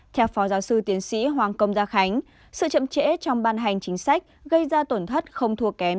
theo phó giáo sư tiến sĩ hoàng công gia khánh sự chậm trễ trong ban hành chính sách gây ra tổn thất không thua kém